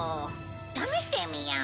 試してみよう。